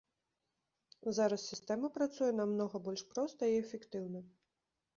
Зараз сістэма працуе намнога больш проста і эфектыўна.